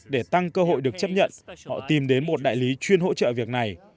để tăng cơ hội được chấp nhận họ tìm đến một đại lý chuyên hỗ trợ việc này